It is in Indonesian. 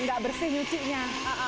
enggak bersih nyucinya